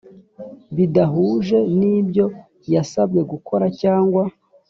bidahuje n ibyo yasabwe gukora cyangwa